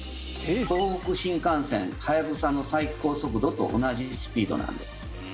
東北新幹線「はやぶさ」の最高速度と同じスピードなんです。